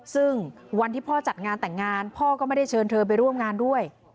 ซึ่งวันที่พ่อจัดงานแต่งงานพ่อก็ไม่ได้เชิญเธอไปร่วมงานด้วย